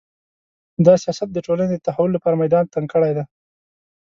دا سیاست د ټولنې د تحول لپاره میدان تنګ کړی دی